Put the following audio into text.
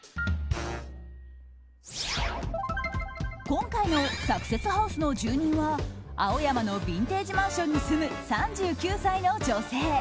今回のサクセスハウスの住人は青山のビンテージマンションに住む３９歳の女性。